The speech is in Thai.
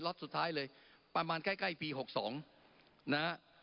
รถสุดท้ายเลยประมาณใกล้ใกล้ปี๖นะ